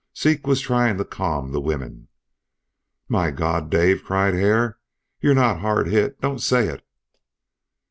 Zeke was trying to calm the women. "My God! Dave!" cried Hare. "You're not hard hit? Don't say it!"